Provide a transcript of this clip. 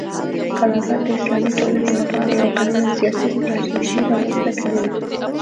خلافت د اسلامي ټولنې لپاره یو قوي او سیاسي ستراتیژي رامنځته کوي.